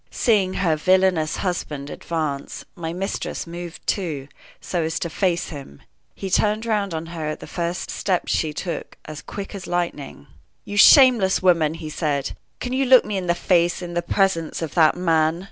Seeing her villainous husband advance, my mistress moved, too, so as to face him. He turned round on her at the first step she took, as quick as lightning. "You shameless woman!" he said. "Can you look me in the face in the presence of that man?"